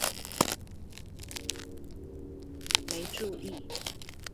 沒注意！